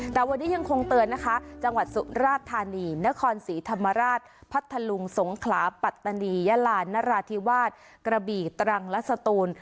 แต่วันนี้ยังคงเตือนนะคะจังหวัดสุราธานีนครศรีธรรมราชพัทธลุงสงขลาปัตตานียาลานนราธิวาสกระบี่ตรังและสตูน